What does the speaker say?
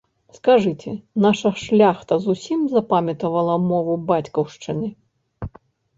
Скажыце, наша шляхта зусім запамятала мову бацькаўшчыны?